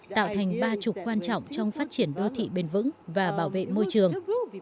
tạo thành ba trục quan trọng trong phát triển đô thị bền vững và bảo vệ môi trường